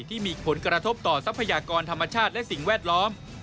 ที่มีผลกระทบต่อทรัพยากรธรรมชาติและสิ่งแวดล้อม